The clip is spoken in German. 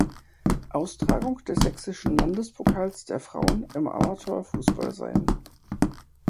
Austragung des Sächsischen Landespokals der Frauen im Amateurfußball sein.